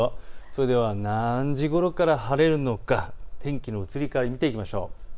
それでは何時ごろから晴れるのか天気の移り変わり見ていきましょう。